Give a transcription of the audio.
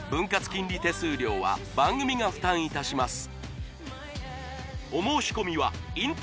金利手数料は番組が負担いたします